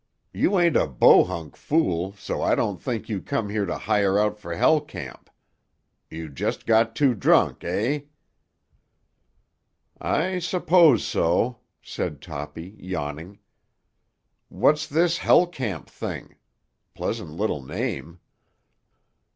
You ain't a Bohunk fool, so I don't think you come to hire out for Hell Camp. You just got too drunk, eh?" "I suppose so," said Toppy, yawning. "What's this Hell Camp thing? Pleasant little name."